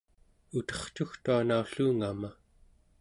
utercugtua naulluungama